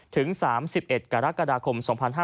ถึง๓๑กรกฎาคม๒๕๕๙